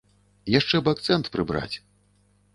Яшчэ б акцэнт прыбраць.